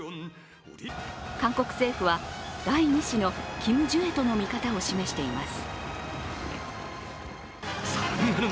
韓国政府は第２子のキム・ジュエとの見方を示しています。